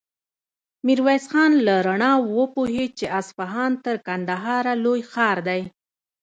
ميرويس خان له رڼاوو وپوهېد چې اصفهان تر کندهاره لوی ښار دی.